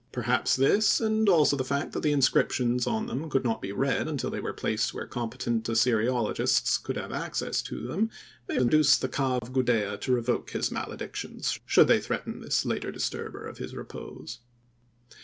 Perhaps this, and also the fact that the inscriptions on them could not be read until they were placed where competent Assyriologists could have access to them, may induce the Ka of Gudea to revoke his maledictions should they threaten this later disturber of his repose.